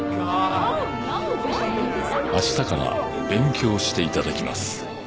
あしたから勉強していただきます。